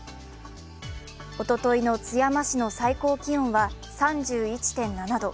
おとといの津山市の最高気温は３１．７度。